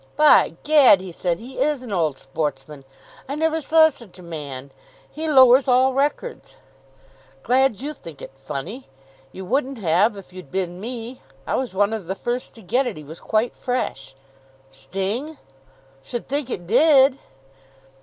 "By Gad," he said, "he is an old sportsman. I never saw such a man. He lowers all records." "Glad you think it funny. You wouldn't have if you'd been me. I was one of the first to get it. He was quite fresh." "Sting?" "Should think it did."